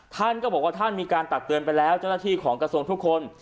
ท่านก็บอกว่าท่านมีการตักเตือนไปแล้วเจ้าหน้าที่ของกระทรวงทุกคน